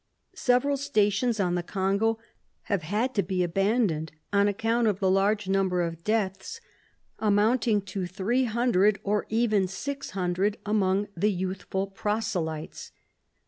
Several stations on the Congo have had to be abandoned on account of the large number of deaths, amounting to 300 and even 600 among the youthful proselytes.